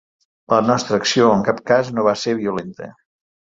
La nostra acció en cap cas no va ser violenta.